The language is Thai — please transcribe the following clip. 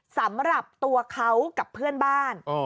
สำหรับตัวเขากับเพื่อนบ้าน